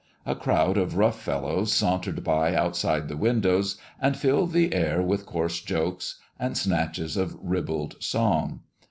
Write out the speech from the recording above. A crowd of rough fellows sauntered by outside the windows and filled the air with coarse jokes and snatches of ribald song.